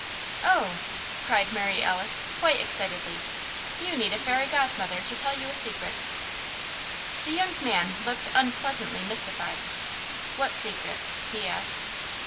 "Oh!" cried Mary Alice, quite excitedly, "you need a fairy godmother to tell you a Secret." The young man looked unpleasantly mystified. "What secret?" he asked.